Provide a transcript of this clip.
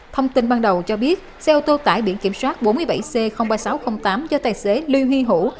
thông tin ban đầu cho biết xe ô tô tải biển kiểm soát bốn mươi bảy c ba nghìn sáu trăm linh tám do tài xế lưu huy hữu